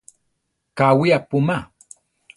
Káwi apúma.